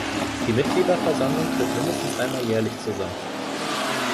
Die Mitgliederversammlung tritt mindestens einmal jährlich zusammen.